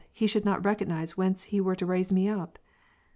He should not recognize whence He were to raise me up."